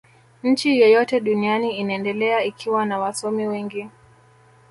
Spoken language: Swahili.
nchi yoyote duniani inaendelea ikiwa na wasomi wengi